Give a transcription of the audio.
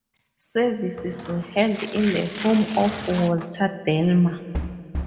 Services were held in the home of Walter Delmar.